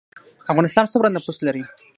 افغانستان سومره نفوس لري